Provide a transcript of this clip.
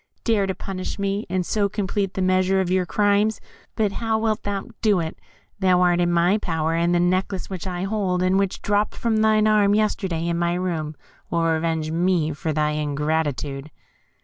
Dare to punish me, and so complete the measure of your crimes! But how wilt thou do it? Thou art in my power, and the necklace which I hold, and which dropped from thine arm yesterday in my room, will revenge me for thy ingratitude."